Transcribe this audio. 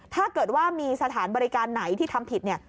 ถ้าเกิดว่ามีสถานบริการไหนที่ทำผิดเนี่ย